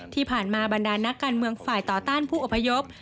ที่ผ่านมาบรรดานักการเมืองฝ่ายต่อต้านผู้อพยพ